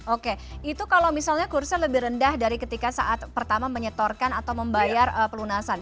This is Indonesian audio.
oke itu kalau misalnya kursi lebih rendah dari ketika saat pertama menyetorkan atau membayar pelunasan